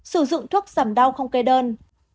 sử dụng thuốc giảm đau không kê đơn